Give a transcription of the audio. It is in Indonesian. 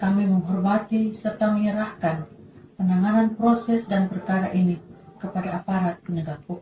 kami menghormati serta menyerahkan penanganan proses dan perkara ini kepada aparat penegak hukum